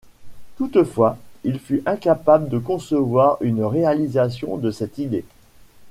Toutefois, il fut incapable de concevoir une réalisation de cette idée.